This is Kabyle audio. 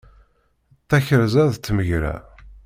Takerza d tmegra.